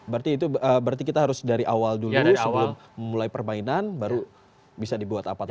berarti itu berarti kita harus dari awal dulu sebelum mulai permainan baru bisa dibuat apa